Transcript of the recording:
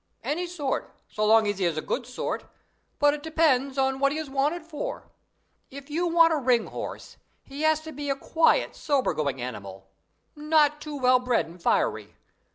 "Any sort, so long as he is a good sort, but it depends on what he is wanted for. If we want a ring horse, he has to be a quiet sober going animal, not too well bred and fiery.